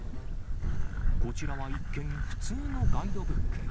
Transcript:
こちらは一見、普通のガイドブック。